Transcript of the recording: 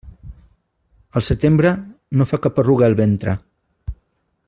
Al setembre, no fa cap arruga el ventre.